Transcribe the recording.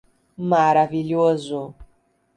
Maravilhoso